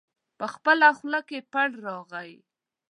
په خپله خوله کې پړ راغی.